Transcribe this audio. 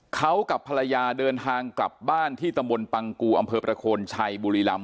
เขากับภรรยาเดินทางกลับบ้านที่ตำบลปังกูอำเภอประโคนชัยบุรีรำ